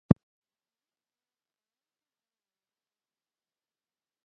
موږ باید قانون ته ژمن واوسو